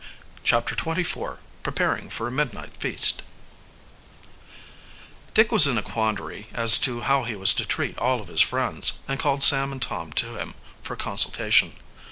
CHAPTER XXIV PREPARING FOR A MID NIGHT FEAST Dick was in a quandary as to how he was to treat all of his friends, and called Sam and Tom to him for consultation.